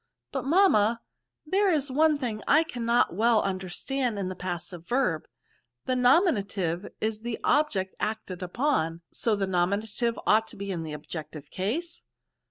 But, mamma, there is one thing I cannot well understand in the pas sive verb ; the nominative is the object acted upon, so the nominative ought to be in the objective case?"